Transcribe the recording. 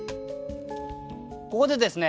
ここでですね